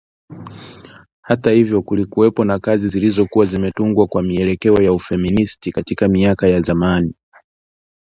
Hata hivyo, kulikuwako na kazi zilizokuwa zimetungwa kwa mielekeo ya ufeministi katika miaka ya zamani